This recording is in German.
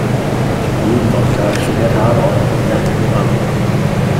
Jeden Sonntag steht der Tatort auf dem Fernsehprogramm.